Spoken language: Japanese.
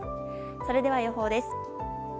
それでは、予報です。